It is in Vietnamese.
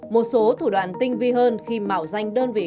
một số thủ đoàn tinh vi hơn khi mạo danh đơn vị